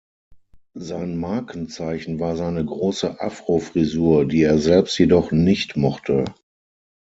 Sein Markenzeichen war seine große Afro-Frisur, die er selbst jedoch nicht mochte.